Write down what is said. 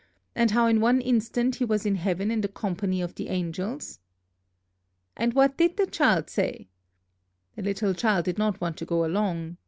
and how in one instant he was in heaven in the company of the angels?" "And what did the child say?" "The little child did not want to go along.